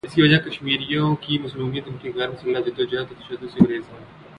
اس کی وجہ کشمیریوں کی مظلومیت، ان کی غیر مسلح جد وجہد اور تشدد سے گریز ہے۔